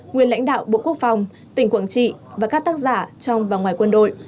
nguyên lãnh đạo bộ quốc phòng tỉnh quảng trị và các tác giả trong và ngoài quân đội